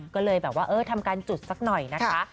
ก็เลยทำการจุดสักหน่อยนะคะ